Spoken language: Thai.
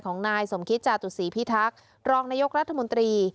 ของนายสมคิตจาตุศีพิทักษ์รองนายกรัฐมนตรี